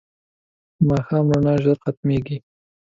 د ماښام رڼا ژر ختمېږي